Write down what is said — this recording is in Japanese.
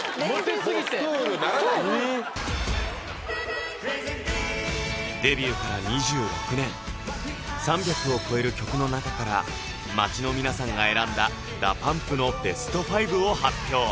もうスクールならないデビューから２６年３００を超える曲の中から街の皆さんが選んだ「ＤＡＰＵＭＰ」のベスト５を発表